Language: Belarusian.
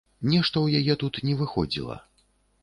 Нешта ў яе тут не выходзіла.